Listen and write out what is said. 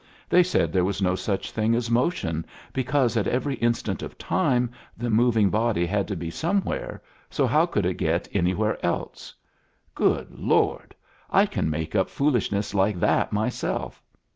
They said there was no such thing as motion because at every instant of time the moving body had to be somewhere, so how could it get anywhere else? Good Lord! I can make up foolishness like that myself.